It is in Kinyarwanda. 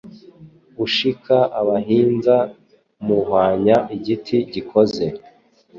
Ushika abahinza Muhwanya igiti gikoze